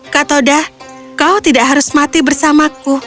katoda kau tidak harus mati bersamaku